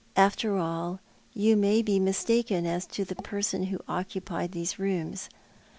After all, you may be mistaken as to the person who occupied these rooms.